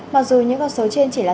mặc dù những con số trên chỉ là